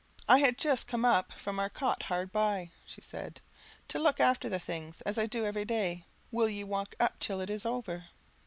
"I had just come up from our cot hard by," she said, "to look after the things, as I do every day, when the rain came on will ye walk up till it is over?"